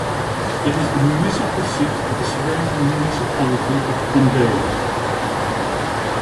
It is the municipal seat of the surrounding municipality of Candela.